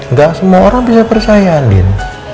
nggak semua orang bisa percaya andin